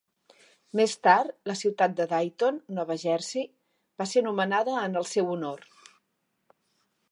Més tard, la ciutat de Dayton, Nova Jersey, va ser nomenada en el seu honor.